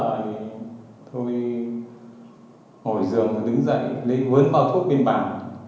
thì tôi ngồi ở giường đứng dậy lấy vớn bao thuốc biên bản